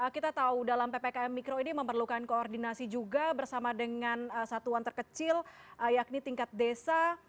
kita tahu dalam ppkm mikro ini memerlukan koordinasi juga bersama dengan satuan terkecil yakni tingkat desa